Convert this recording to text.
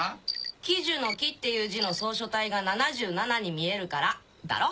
喜寿の「喜」っていう字の草書体が「七十七」に見えるからだろ？